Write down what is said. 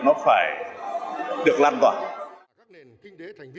nó phải được lan tỏa